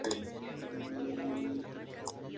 Además puede volar por una distancias de mil ri.